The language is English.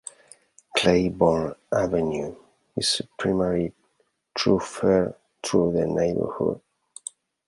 Claiborne Avenue is a primary thoroughfare through the neighborhood.